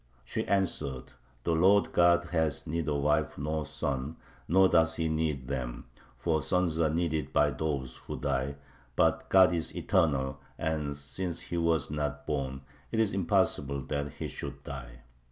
She answered: "The Lord God has neither wife nor son, nor does He need them. For sons are needed by those who die, but God is eternal, and since He was not born, it is impossible that He should die.